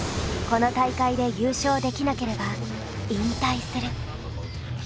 この大会で優勝できなければ引退する。